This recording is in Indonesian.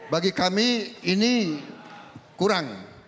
bagi kami ini kurang